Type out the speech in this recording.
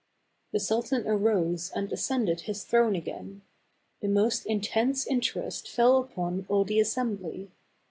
THE GAB AVAN. 217 The sultan arose and ascended his throne again. The most intense interest fell upon all the as sembly.